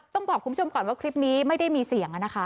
ต้องบอกคุณผู้ชมก่อนว่าคลิปนี้ไม่ได้มีเสียงนะคะ